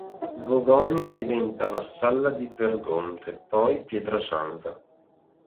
Vogogna diventa vassalla di Vergonte, poi Pietrasanta.